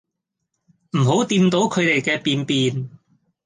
唔好掂到佢哋嘅便便